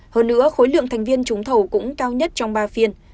hơn nữa khối lượng thành viên trúng thầu cũng cao nhất trong ba phiên